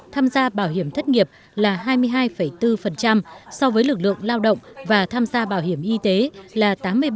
tham gia bảo hiểm thất nghiệp là hai mươi hai bốn so với lực lượng lao động và tham gia bảo hiểm y tế là tám mươi ba